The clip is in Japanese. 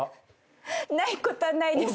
ないことはないです。